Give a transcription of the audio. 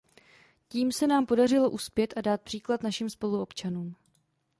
Tím se nám podařilo uspět a dát příklad našim spoluobčanům.